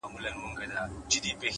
حکمت د اورېدو هنر هم دی،